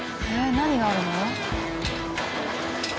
何があるの？